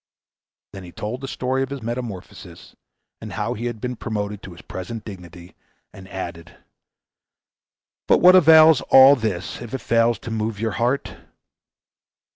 Then he told the story of his metamorphosis, and how he had been promoted to his present dignity, and added, "But what avails all this if it fails to move your heart?"